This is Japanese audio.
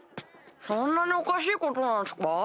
そんなにおかしいことなんすか？